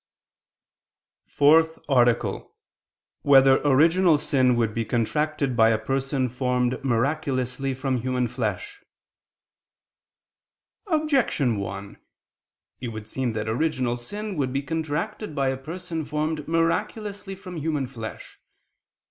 ________________________ FOURTH ARTICLE [I II, Q. 81, Art. 4] Whether Original Sin Would Be Contracted by a Person Formed Miraculously from Human Flesh? Objection 1: It would seem that original sin would be contracted by a person formed miraculously from human flesh.